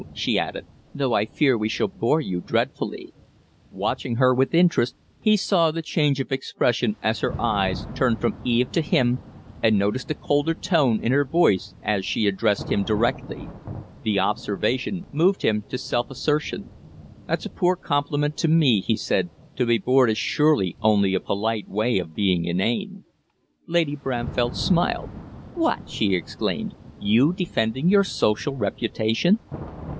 she added. "Though I fear we shall bore you dreadfully." Watching her with interest, he saw the change of expression as her eyes turned from Eve to him, and noticed a colder tone in her voice as she addressed him directly. The observation moved him to self assertion. "That's a poor compliment to me," he said "To be bored is surely only a polite way of being inane." Lady Bramfell smiled. "What!" she exclaimed. "You defending your social reputation?"